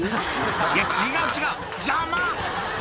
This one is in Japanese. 「いや違う違う！邪魔！」